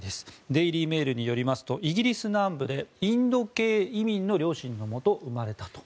デイリー・メールによりますとイギリス南部でインド系移民の両親のもと生まれたと。